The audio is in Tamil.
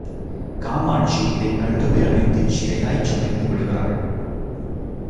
காமாட்சி இதைக் கண்டு பிரமித்துச் சிலையாய்ச் சமைந்து விடுகிறாள்.